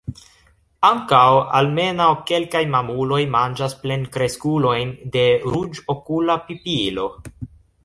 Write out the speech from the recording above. Ankaŭ almenaŭ kelkaj mamuloj manĝas plenkreskulojn de Ruĝokula pipilo.